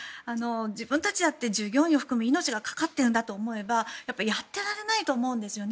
自分たちだって従業員を含め命がかかっているんだと思えばやってられないと思うんですよね。